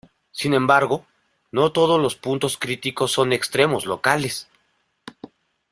Sin embargo, no todos los puntos críticos son extremos locales.